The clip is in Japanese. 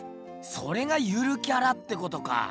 それが「ゆるキャラ」ってことか！